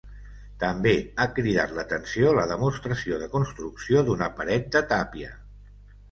També ha cridat l’atenció la demostració de construcció d’una paret de tàpia.